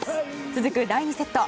続く第２セット。